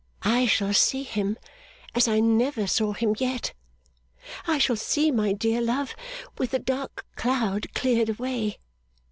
'I shall see him as I never saw him yet. I shall see my dear love, with the dark cloud cleared away.